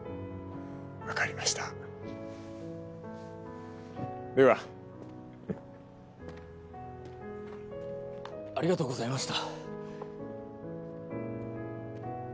分かりましたではありがとうございました